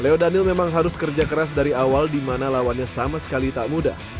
leo daniel memang harus kerja keras dari awal di mana lawannya sama sekali tak mudah